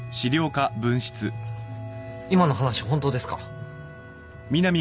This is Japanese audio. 今の話本当ですか？